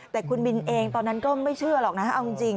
แต่คุณบินเองตอนนั้นก็ไม่เชื่อหรอกนะเอาจริง